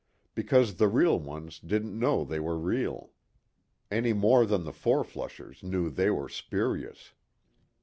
Because the real ones didn't know they were real. Any more than the fourflushers knew they were spurious.